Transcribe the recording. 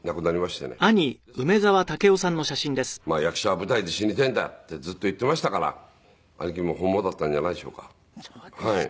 ですから兄貴としては「役者は舞台で死にてえんだ」ってずっと言っていましたから兄貴も本望だったんじゃないでしょうか。